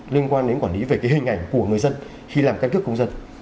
liên quan đến quản lý về cái hình ảnh của người dân khi làm căn cước công dân